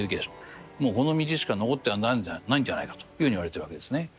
もうこの道しか残ってないんじゃないかというふうにいわれてるわけですね。